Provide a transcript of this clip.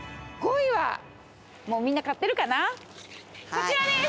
こちらです！